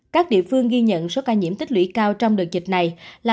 các địa phương ghi nhận số ca nhiễm tích lũy cao trong đợt dịch này là